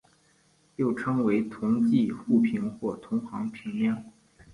又称为同侪互评或同行评量。